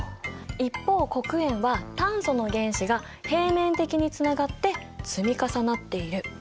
一方黒鉛は炭素の原子が平面的につながって積み重なっている。